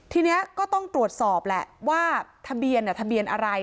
ที่นี้ก็ต้องตรวจสอบแหละทะเบียนอะไร